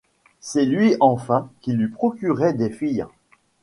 C'est lui enfin qui lui procurait des filles.